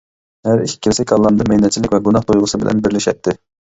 ھەر ئىككىلىسى كاللامدا مەينەتچىلىك ۋە گۇناھ تۇيغۇسى بىلەن بىرلىشەتتى.